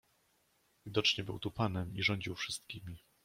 "Widocznie był tu panem i rządził wszystkimi."